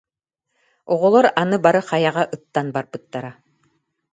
Оҕолор аны бары хайаҕа ыттан барбыттара